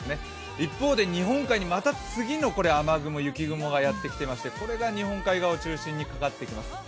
一方で日本海にまた次の雨雲雪雲がやってきていましてこれが日本海側を中心にかかってきます。